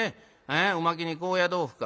おまけに高野豆腐か。